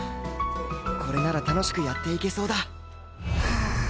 これなら楽しくやっていけそうだ